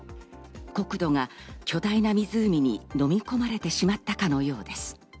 国土が巨大な湖に飲み込まれてしまったかのようです。